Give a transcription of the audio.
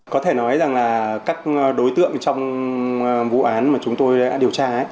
có thể nói rằng là các đối tượng trong vụ án mà chúng tôi đã điều tra